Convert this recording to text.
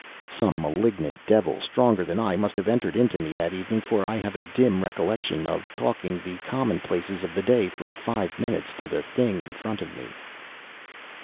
Some malignant devil stronger than I must have entered into me that evening, for I have a dim recollection of talking the commonplaces of the day for five minutes to the Thing in front of me.